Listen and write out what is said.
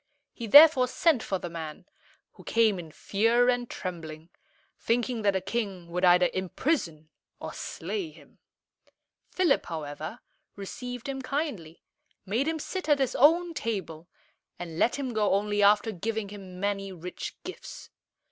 He therefore sent for the man, who came in fear and trembling, thinking that the king would either imprison or slay him. Philip, however, received him kindly, made him sit at his own table, and let him go only after giving him many rich gifts.